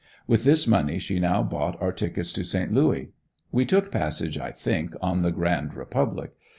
With this money she now bought our tickets to Saint Louis. We took passage, I think, on the "Grand Republic."